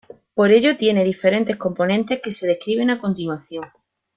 Por ello, tiene diferentes componentes, que se describen a continuación.